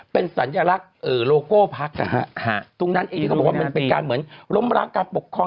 เป็นสัญลักษณ์โลโก้พักษณ์ตรงนั้นมันเป็นการเหมือนรมรักกับปกครอง